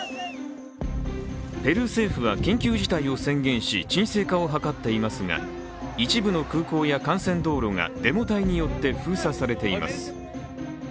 ペルー政府は、緊急事態を宣言し沈静化を図っていますが一部の空港や幹線道路がデモ隊によって封鎖されています。